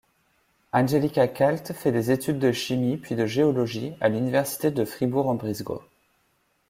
Angelika Kalt fait des études de chimie puis de géologie à l'Université de Fribourg-en-Brisgau.